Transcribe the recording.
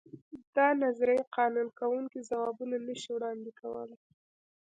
دا نظریې قانع کوونکي ځوابونه نه شي وړاندې کولای.